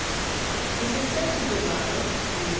The successors of Otto, Henry H.